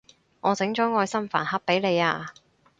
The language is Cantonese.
我整咗愛心飯盒畀你啊